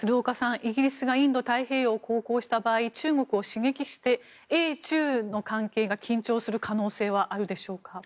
イギリスがインド太平洋地域を航行した場合中国を刺激して英中の関係が緊張する可能性はあるでしょうか？